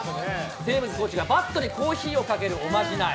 テームズコーチが、バットにコーヒーをかけるおまじない。